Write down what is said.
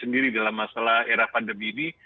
sendiri dalam masalah era pandemi ini